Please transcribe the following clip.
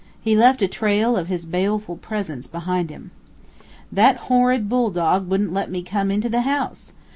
He left a trail of his baleful presence behind him. "That horrid bull dog wouldn't let me come into the house!